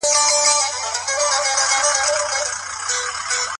کمپيوټر انټيوايروس غواړي.